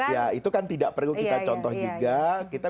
ya itu kan tidak perlu kita contoh juga